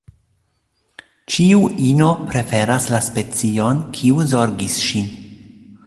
Ĉiu ino preferas la specion, kiu zorgis ŝin.